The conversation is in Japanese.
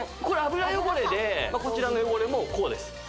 これ油汚れでこちらの汚れもこうです